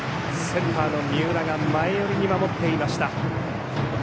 センターの三浦が前寄りに守っていました。